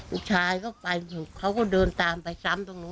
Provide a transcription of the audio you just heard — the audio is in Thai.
ลูกชายก็ไปอยู่เขาก็เดินตามไปซ้ำตรงนู้น